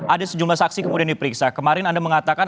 ada sejumlah saksi kemudian diperiksa kemarin anda mengatakan